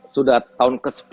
sudah tahun ke sepuluh